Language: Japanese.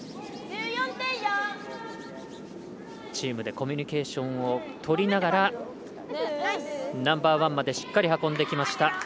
チームでコミュニケーションをとりながらナンバーワンまでしっかり運んできました。